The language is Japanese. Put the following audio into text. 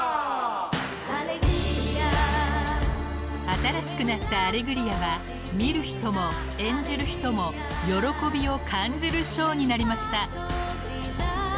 ［新しくなった『アレグリア』は見る人も演じる人も喜びを感じるショーになりました］